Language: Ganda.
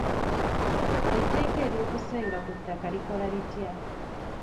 Etteeka ery'okusenga ku ttaka likola litya?